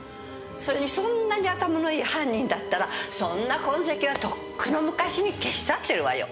それにそんなに頭のいい犯人だったらそんな痕跡はとっくの昔に消し去ってるわよ。